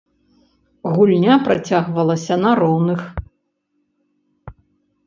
Гульня працягвалася на роўных.